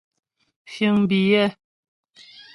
Fíŋ biyɛ́.